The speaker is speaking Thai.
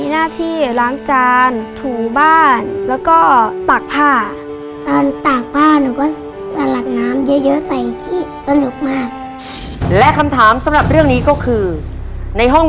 นั่นก็คือเรื่อง